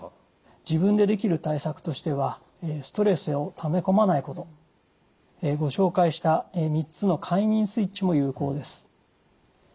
自分でできる対策としてはストレスをため込まないことご紹介した３つの快眠スイッチも有効です。